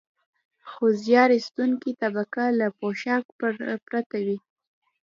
خو زیار ایستونکې طبقه له پوښاک پرته وي